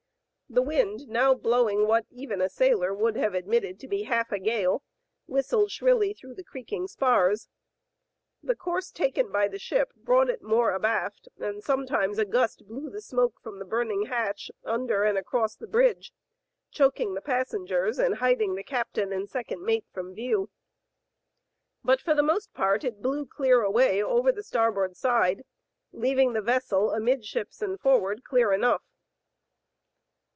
The wind, now blowing what even a sailor would have admitted to be half a gale, whistled shrilly through the creaking spars. The course taken by the ship brought it more abaft, and sometimes a gust blew the smoke from the burning hatch under and across the bridge, choking the passen gers and hiding the captain and second mate from view. But for the most part it blew clear away over the starboard side, leaving the vessel amidships and forward clear enough.